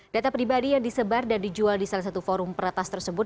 data pribadi yang disebar dan dijual di salah satu forum peretas tersebut